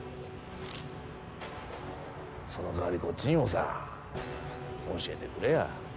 その代わりこっちにもさ教えてくれや。